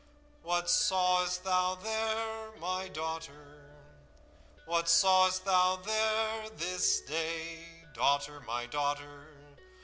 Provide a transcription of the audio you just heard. "'What sawest thou there, my daughter? What sawest thou there this day, Daughter, my daughter?'